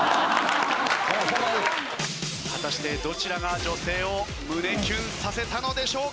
果たしてどちらが女性を胸キュンさせたのでしょうか？